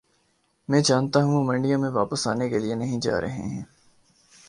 میں جانتا ہوں وہ منڈیوں میں واپس آنے کے لیے نہیں جا رہے ہیں